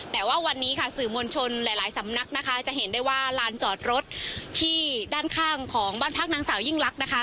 แต่ว่าวันนี้ค่ะสื่อมวลชนหลายหลายสำนักนะคะจะเห็นได้ว่าลานจอดรถที่ด้านข้างของบ้านพักนางสาวยิ่งลักษณ์นะคะ